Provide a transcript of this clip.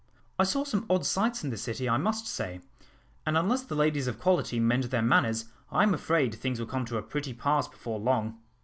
I saw some odd sights in the city, I must say; and unless the ladies of quality mend their manners, I am afraid things will come to a pretty pass before long."